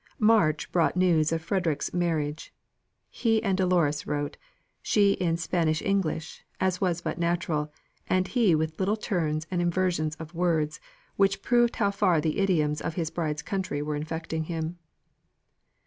March brought the news of Frederick's marriage. He and Dolores wrote; she in Spanish English, as was but natural, and he with little turns and inversions of words which proved how far the idioms of his bride's country were infecting him.